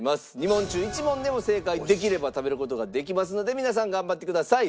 ２問中１問でも正解できれば食べる事ができますので皆さん頑張ってください。